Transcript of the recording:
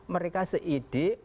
mereka sering berkumpul